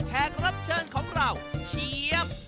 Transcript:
แขกรับเชิญของเราเชียบ